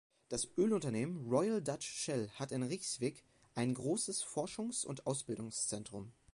Das Ölunternehmen Royal Dutch Shell hat in Rijswijk ein großes Forschungs- und Ausbildungszentrum.